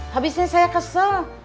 habis ini saya kesel